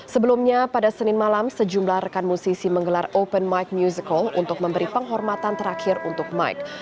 sebelumnya pada senin malam sejumlah rekan musisi menggelar open mike musical untuk memberi penghormatan terakhir untuk mike